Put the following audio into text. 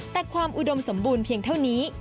แต่ความอุดมสมบูรณ์เพียงเท่านี้